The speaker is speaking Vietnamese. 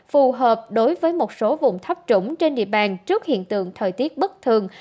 phù hợp đối với một số vùng thấp trũng trên địa bàn trước hiện tượng thời tiết bất thường